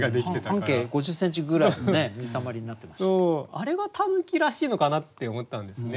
あれが狸らしいのかなって思ったんですね。